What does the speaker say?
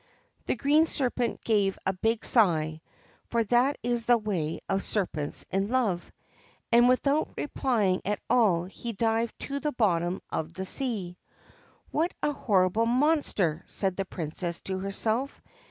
The Green Serpent gave a big sigh (for that is the way of serpents in love), and, without replying at all, he dived to the bottom of the sea. ' What a horrible monster I ' said the Princess to herself.